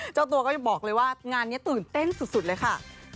เจ้าตัวก็ยังบอกเลยว่างานนี้ตื่นเต้นสุดเลยค่ะ